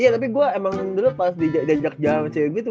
iya tapi gue emang dulu pas dijak jak jalan sama cwm gitu